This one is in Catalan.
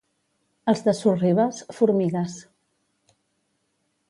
Els de Sorribes, formigues.